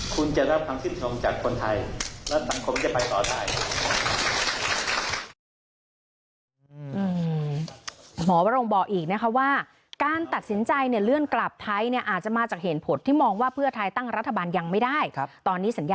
คุณจะรับความชื่นชมจากคนไทย